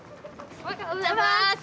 おはようございます！